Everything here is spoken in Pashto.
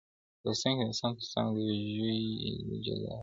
• لوستونکی د انسان تر څنګ د يو ژوي د حلالېدو ..